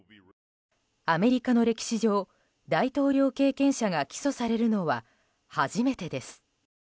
アメリカの歴史上大統領経験者が起訴されるのは初めてです。